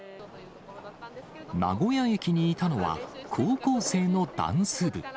名古屋駅にいたのは、高校生のダンス部。